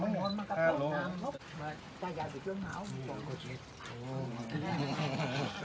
น้ำปลาบึกกับซ่าหมกปลาร่า